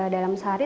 dalam saat itu